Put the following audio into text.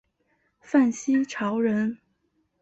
范希朝人。